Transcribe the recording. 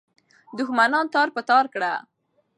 دښمنان تار په تار کړه.